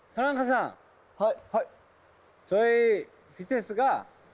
はい。